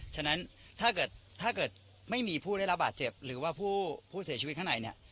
ฉะนั้นถ้าเกิดถ้าเกิดไม่มีผู้ได้รับบาดเจ็บหรือว่าผู้เสียชีวิตข้างในเนี่ย